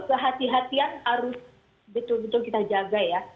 kehati hatian harus betul betul kita jaga ya